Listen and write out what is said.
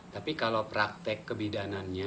tapi kalau praktek kebidanan